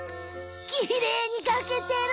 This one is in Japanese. きれいに描けてる！